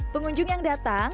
pengunjung yang datang